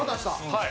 はい。